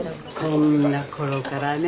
こんなころからね。